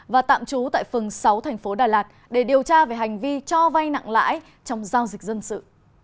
và tạm trú tại phường sáu thành phố đà lạt để điều tra về hành vi cho vay nặng lãi trong giao dịch dân sự